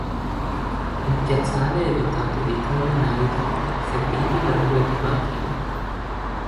Il piazzale è dotato di tre binari tronchi, serviti da due banchine.